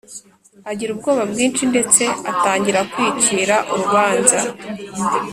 . Agira ubwoba bwinshi ndetse atangira kwicira urubanza.